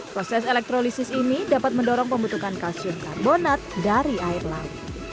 proses elektrolisis ini dapat mendorong pembentukan kalsium karbonat dari air laut